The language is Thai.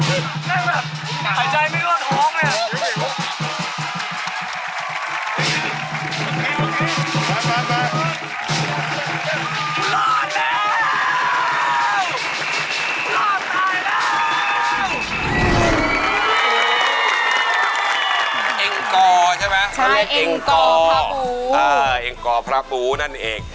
เออเอ็งกอพระภูนั่นเอง